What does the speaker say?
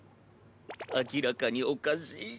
明らかにおかしい。